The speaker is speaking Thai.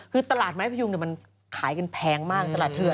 คือตลาดไม้พยุงขายกันแพงมาก